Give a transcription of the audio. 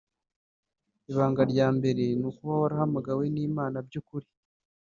Ibanga rya mbere ni ukuba warahamagawe n’Imana by’ukuri